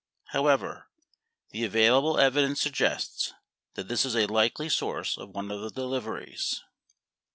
However, the available evidence suggests that this is a likely source of one of the deliveries.